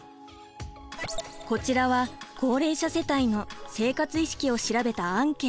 こちらは高齢者世帯の生活意識を調べたアンケート。